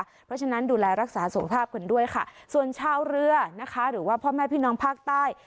เพราะฉะนั้นดูแลรักษาสุขภาพกันด้วยค่ะส่วนชาวเรือนะคะหรือว่าพ่อแม่พี่น้องภาคใต้